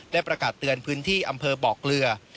ประกาศเตือนพื้นที่อำเภอบอกเกลือ